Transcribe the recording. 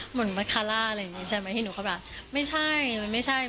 เหมือนมะคาล่าอะไรอย่างนี้ใช่ไหมที่หนูเข้าไปแบบไม่ใช่มันไม่ใช่